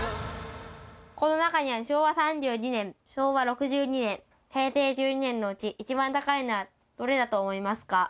この中には、昭和３２年、昭和６２年、平成１２年のうち、一番高いのはどれだと思いますか？